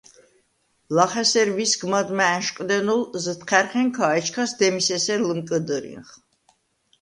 ლახ ესერ ვისგ მადმა ა̈ნშყდენოლ ზჷთჴა̈რხენქა, ეჩქას დემის ესერ ლჷმკჷდჷრინხ.